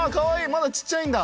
まだちっちゃいんだ。